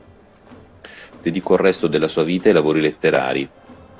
Dedicò il resto della sua vita ai lavori letterari.